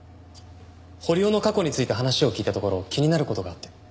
堀尾の過去について話を聞いたところ気になる事があって。